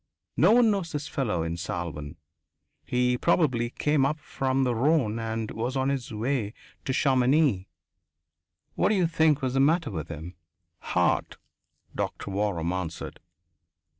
No one knows this fellow in Salvan he probably came up from the Rhone and was on his way to Chamonix. What d'you think was the matter with him?" "Heart," Doctor Waram answered.